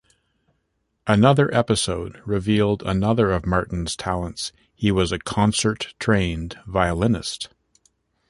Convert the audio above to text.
Another episode revealed another of Martin's talents: he was a concert-trained violinist.